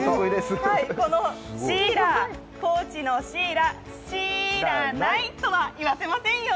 この高知のシイラ、シーイラないとは言わせませんよ。